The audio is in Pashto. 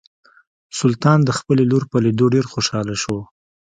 سلطان د خپلې لور په لیدو ډیر خوشحاله شو.